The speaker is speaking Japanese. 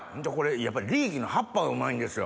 やっぱりリーキの葉っぱがうまいんですよ。